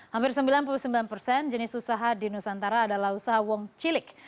hampir sembilan puluh sembilan persen jenis usaha di nusantara adalah usaha wong cilik